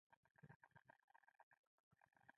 له سارې سره مې مینه دې خوب لیدل دي.